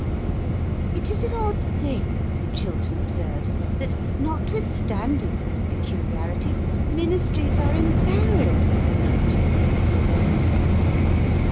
It is an odd thing, Chiltern observes, that, notwithstanding this peculiarity, Ministries are invariably recruited from below the gangway.